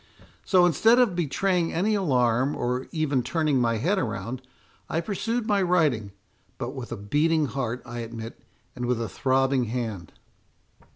So, instead of betraying any alarm, or even turning my head around, I pursued my writing, but with a beating heart, I admit, and with a throbbing hand."